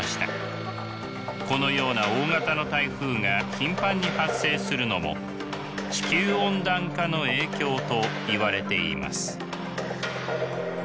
このような大型の台風が頻繁に発生するのも地球温暖化の影響といわれています。